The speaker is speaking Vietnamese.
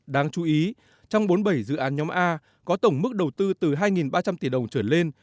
đáng chú ý trong bốn mươi bảy dự án nhóm a có tổng mức đầu tư từ hai ba trăm linh tỷ đồng trở lên